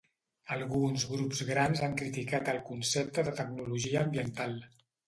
Alguns grups grans han criticat el concepte de tecnologia ambiental.